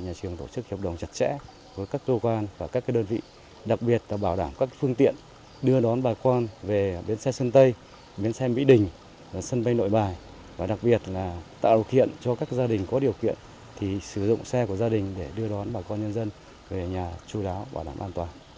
nhà trường tổ chức hiệp đồng chặt chẽ với các dô quan và các đơn vị đặc biệt là bảo đảm các phương tiện đưa đón bà con về biến xe sân tây biến xe mỹ đình sân bay nội bài và đặc biệt là tạo kiện cho các gia đình có điều kiện thì sử dụng xe của gia đình để đưa đón bà con nhân dân